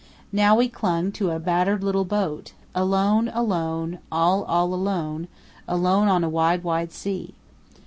Now we clung to a battered little boat, "alone, alone—all, all alone; alone on a wide, wide sea."